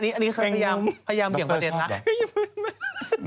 อันนี้ก็เพื่อย่างประเด็นนะ